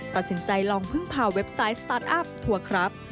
ตัดสินใจลองพึ่งพาเว็บไซต์สตาร์ทอัพทัวร์ครับ